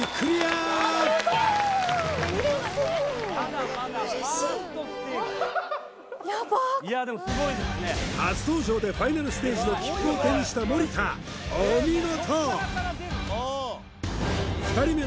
すごーい嬉しい初登場でファイナルステージの切符を手にした森田お見事！